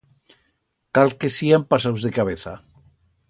Cal que sían pasaus de cabeza.